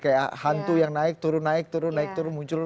kayak hantu yang naik turun naik turun naik turun muncul